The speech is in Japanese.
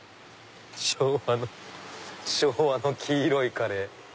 昭和の「昭和の黄色カレー」。